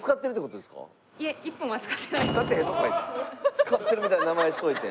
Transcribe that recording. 使ってるみたいな名前しといて。